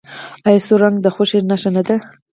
آیا سور رنګ د خوښۍ نښه نه ده؟